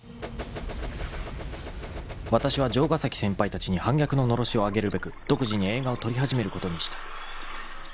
［わたしは城ヶ崎先輩たちに反逆ののろしを上げるべく独自に映画を撮り始めることにした］